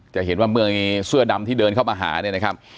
จะเห็นว่าเมื่อเสื้อดำที่เดินเข้ามาหาเนี่ยนะครับ